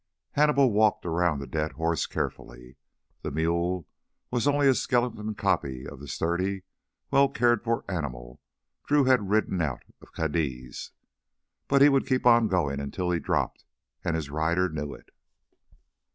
Hannibal walked around the dead horse carefully. The mule was only a skeleton copy of the sturdy, well cared for animal Drew had ridden out of Cadiz. But he would keep going until he dropped, and his rider knew it.